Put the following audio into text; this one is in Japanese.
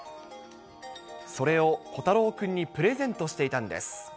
それを虎太郎君にプレゼントしていたんです。